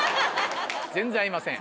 全然合いません。